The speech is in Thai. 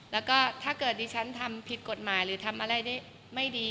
แล้วก็ถ้าเขาดิฉันธรับผิดกฎหมายหรืออะไรได้ไม่ดี